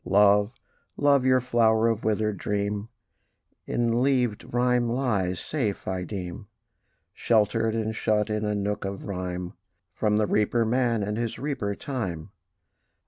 Love, love! your flower of withered dream In leavèd rhyme lies safe, I deem, Sheltered and shut in a nook of rhyme, From the reaper man, and his reaper Time.